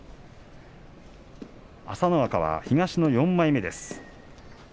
朝乃若は東の４枚目です。